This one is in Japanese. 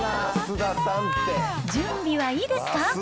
準備はいいですか？